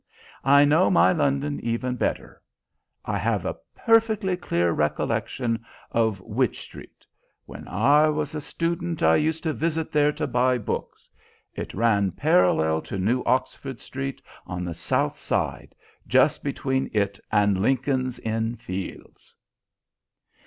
I know my London even better. I have a perfectly clear recollection of Wych Street. When I was a student I used to visit there to buy books. It ran parallel to New Oxford Street on the south side, just between it and Lincoln's Inn Fields."